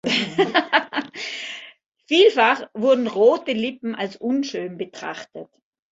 Vielfach wurden rote Lippen als unschön betrachtet.